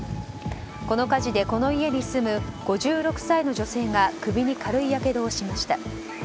この火事でこの家に住む５６歳の女性が首に軽いやけどをしました。